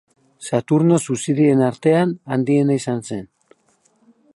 Saturno suzirien artean handiena izan zen.